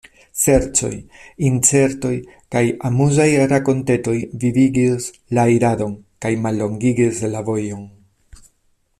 Ŝercoj, incitetoj kaj amuzaj rakontetoj vivigis la iradon kaj mallongigis la vojon.